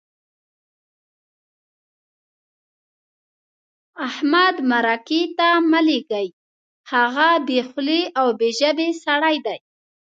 احمد مرکې ته مه لېږئ؛ هغه بې خولې او بې ژبې سړی دی.